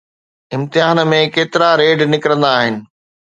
امتحان ۾ ڪيترا ريڊ نڪرندا آهن؟